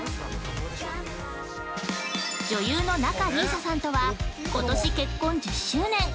女優の仲里依紗さんとはことし結婚１０周年。